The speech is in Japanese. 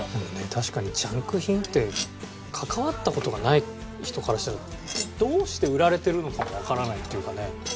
確かにジャンク品って関わった事がない人からしたらどうして売られてるのかもわからないっていうかね。